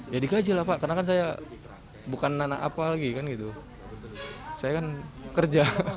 ya dikaji lah pak karena kan saya bukan anak apa lagi kan gitu saya kan kerja